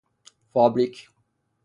فابریک